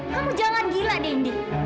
kamu jangan gila deh indi